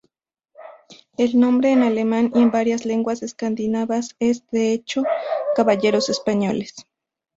El nombre en alemán y en varias lenguas escandinavas es, de hecho, "caballeros españoles".